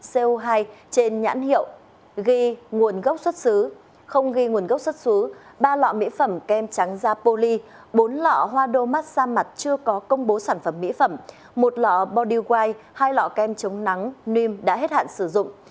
co hai trên nhãn hiệu ghi nguồn gốc xuất xứ không ghi nguồn gốc xuất xứ ba lọ mỹ phẩm kem trắng da poly bốn lọ hoa đô mát sa mặt chưa có công bố sản phẩm mỹ phẩm một lọ body white hai lọ kem chống nắng niêm đã hết hạn sử dụng